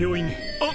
あっ！